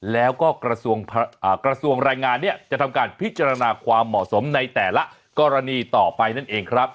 แล้วก็กระทรวงแรงงานเนี่ยจะทำการพิจารณาความเหมาะสมในแต่ละกรณีต่อไปนั่นเองครับ